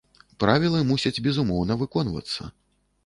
Правілы мусяць безумоўна выконвацца.